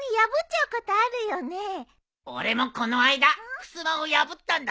俺もこの間ふすまを破ったんだぜ。